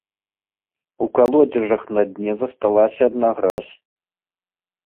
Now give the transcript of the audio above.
У калодзежах на дне засталася адна гразь.